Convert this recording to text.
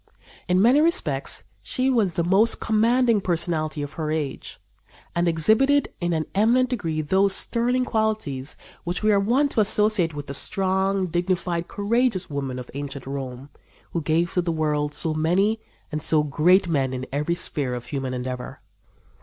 In many respects she was the most commanding personality of her age, and exhibited in an eminent degree those sterling qualities which we are wont to associate with the strong, dignified, courageous women of ancient Rome, who gave to the world so many and so great men in every sphere of human endeavor.